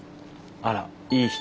あらいい人？